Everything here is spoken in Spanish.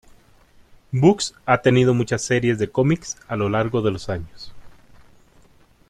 Bugs ha tenido muchas series de cómics a lo largo de los años.